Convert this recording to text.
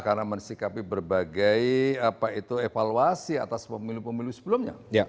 karena menisikapi berbagai evaluasi atas pemilu pemilu sebelumnya